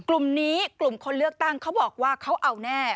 กลุ่มนี้กลุ่มคนเลือกตั้งเขาบอกว่าเขาเอาแน่